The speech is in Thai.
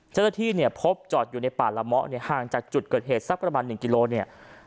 เจ้าหน้าที่เนี่ยพบจอดอยู่ในป่าละเมาะเนี่ยห่างจากจุดเกิดเหตุสักประมาณ๑กิโลเนี่ย